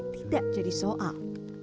tidak jadi soal